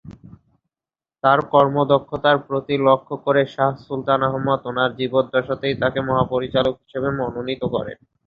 তার কর্মদক্ষতার প্রতি লক্ষ্য করে শাহ সুলতান আহমদ ওনার জীবদ্দশাতেই তাকে মহাপরিচালক হিসেবে মনোনীত করেন।